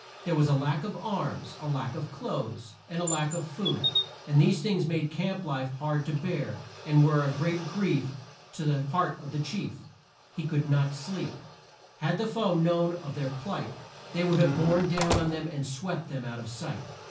There was a lack of arms, a lack of clothes, and a lack of food, and these things made camp life hard to bear, and were a great grief to the heart of the chief. He could not sleep. Had the foe known of their plight, they would have borne down on them and swept them out of sight.